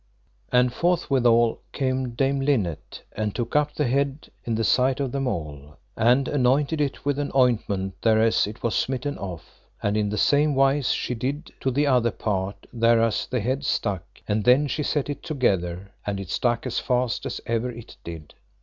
And forthwithal came Dame Linet, and took up the head in the sight of them all, and anointed it with an ointment thereas it was smitten off; and in the same wise she did to the other part thereas the head stuck, and then she set it together, and it stuck as fast as ever it did.